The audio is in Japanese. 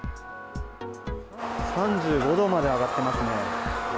３５度まで上がってますね。